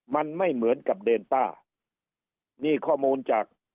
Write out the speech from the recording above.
มันไม่เหมือนกับเดนต้านี่ข้อมูลจาก